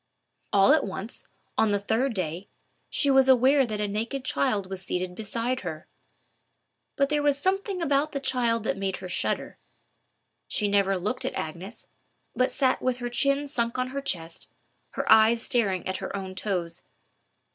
All at once, on the third day, she was aware that a naked child was seated beside her. But there was something about the child that made her shudder. She never looked at Agnes, but sat with her chin sunk on her chest, and her eyes staring at her own toes.